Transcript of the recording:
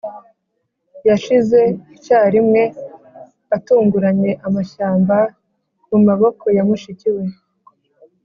yashyize icyarimwe, atunguranye, amashyamba, mu maboko ya mushiki we.